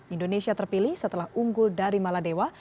indonesia terpilih setelah unggul dari maladewa